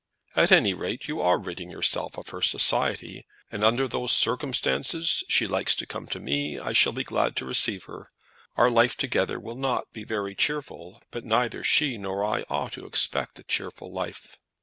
"At any rate you are ridding yourself of her society; and if under those circumstances she likes to come to me I shall be glad to receive her. Our life together will not be very cheerful, but neither she nor I ought to expect a cheerful life."